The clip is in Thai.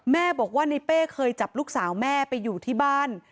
แม่บอกว่าในเป้เคยจับลูกสาวแม่ไปอยู่ที่บ้าน